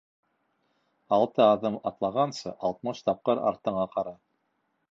Алты аҙым атлағансы, алтмыш тапҡыр артыңа ҡара.